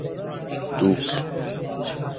دوک